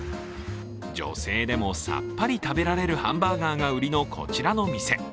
女性でもさっぱり食べられるハンバーガーが売りのこちらの店。